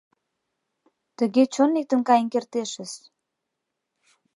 Тыге чон лектын каен кертешыс!